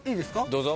どうぞ。